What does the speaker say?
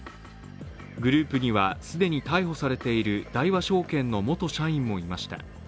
グループには、既に逮捕されている大和証券の元社員もいました。